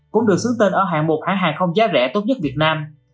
cũng được xứng tên ở hạng một hãng hàng không giá rẻ tốt nhất việt nam